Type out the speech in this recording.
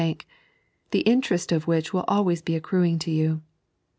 Bank, the interest of which will always be acoruiog to you.